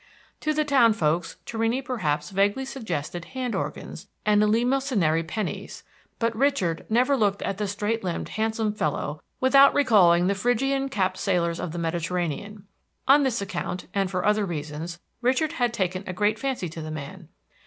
To the town folks Torrini perhaps vaguely suggested hand organs and eleemosynary pennies; but Richard never looked at the straight limbed, handsome fellow without recalling the Phrygian capped sailors of the Mediterranean. On this account, and for other reasons, Richard had taken a great fancy to the man.